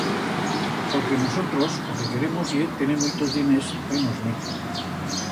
Porque nusotros o que queremos ye tener muitos diners pa ir-nos-ne.